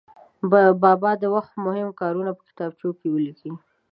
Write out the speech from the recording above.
بابا د وخت مهم کارونه په کتابچو کې ولیکي.